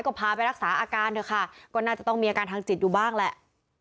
ก็พาไปรักษาอาการเถอะค่ะก็น่าจะต้องมีอาการทางจิตอยู่บ้างแหละ